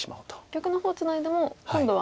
逆の方ツナいでも今度は。